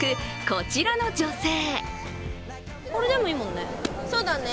こちらの女性。